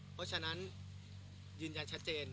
เพราะฉะนั้นยืนยันชัดเจน